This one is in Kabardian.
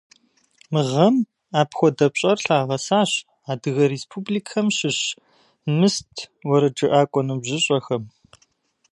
Мы гъэм апхуэдэ пщӏэр лъагъэсащ Адыгэ Республикэм щыщ «Мыст» уэрэджыӏакӏуэ ныбжьыщӏэхэм.